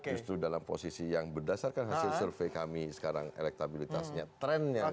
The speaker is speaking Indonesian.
justru dalam posisi yang berdasarkan hasil survei kami sekarang elektabilitasnya trendnya